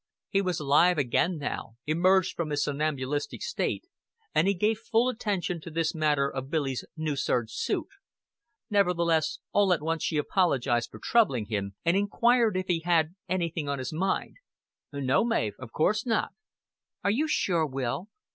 He was alive again now, emerged from his somnambulistic state, and he gave full attention to this matter of Billy's new serge suit; nevertheless, all at once she apologized for troubling him, and inquired if he had anything on his mind. "No, Mav, of course not." "Are you sure, Will?